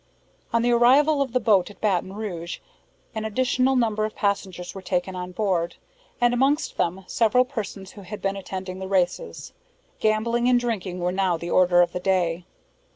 On the arrival of the boat at Baton Rouge, an additional number of passengers were taken on board; and, amongst them, several persons who had been attending the races. Gambling and drinking were now the order of the day.